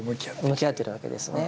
向き合ってるわけですね。